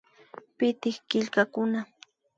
Pitik killkakuna